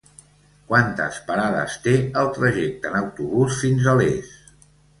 Quantes parades té el trajecte en autobús fins a Les?